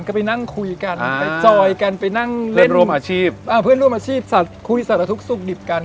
ก็ไปนั่งคุยกันไปจอยกันไปนั่งเล่นเพื่อนร่วมอาชีพคุยสารทุกดิบกัน